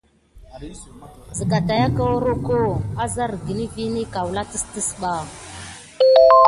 Siga na kedasok kiga aduya akum kida vune de tite diy ba nok.